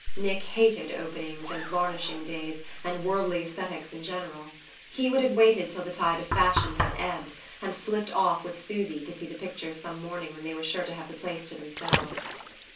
Nick hated openings and varnishing days, and worldly aesthetics in general; he would have waited till the tide of fashion had ebbed, and slipped off with Susy to see the pictures some morning when they were sure to have the place to themselves.